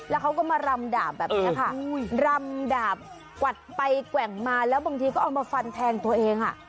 แล้วเขาก็มารำดาบแบบนี้ค่ะรำดาบกวัดไปแกว่งมาแล้วบางทีก็เอามาฟันแทงตัวเองอ่ะ